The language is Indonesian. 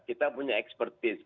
kita punya expertise